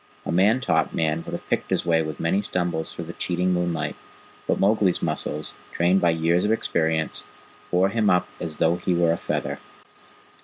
A man taught man would have picked his way with many stumbles through the cheating moonlight, but Mowgli's muscles, trained by years of experience, bore him up as though he were a feather.